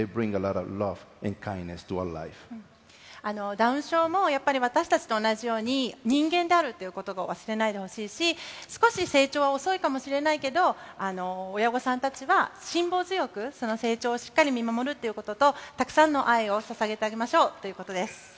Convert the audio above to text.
ダウン症もやっぱり私たちと同じように、人間であるということを忘れないでほしいし、少し成長は遅いかもしれないけど、親御さんたちは辛抱強くその成長をしっかり見守るっていうことと、たくさんの愛をささげてあげましょうということです。